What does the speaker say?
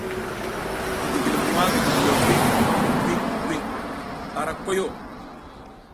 Gidigilmwa gidigilo gwiŋ gwiŋ gwiŋ a ra koyo.